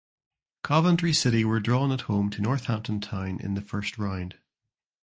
Coventry City were drawn at home to Northampton Town in the first round.